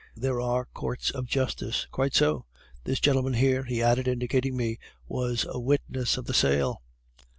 'There are courts of justice.' "'Quite so.' "'This gentleman here,' he added, indicating me, 'was a witness of the sale.